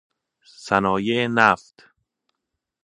صنایع نفت